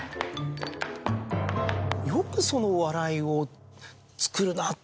よくその笑いを作るなっていうのは。